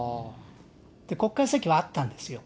国家主席はあったんですよ。